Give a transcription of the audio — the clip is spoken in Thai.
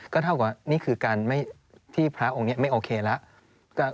ก็เท่ากับนี่คือการที่พระองค์นี้ไม่โอเคแล้ว